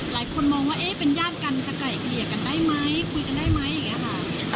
หลายคนมองว่าเป็นญาติกันจะไกลกันได้ไหมคุยกันได้ไหม